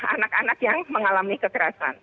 anak anak yang mengalami kekerasan